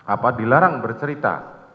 apa dilarang bercerita